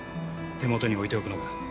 手元に置いておくのが。